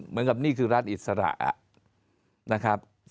เหมือนกับนี่คือรัฐอิสระนะครับ